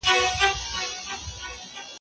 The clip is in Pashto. ناصيح چي به مي اوريدی سينه به مي کوله